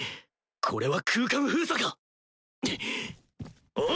これは空間封鎖か⁉おい！